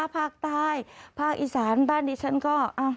ภาคใต้ภาคอีสานบ้านดิฉันก็